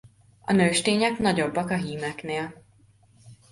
A nőstények nagyobbak a hímeknél.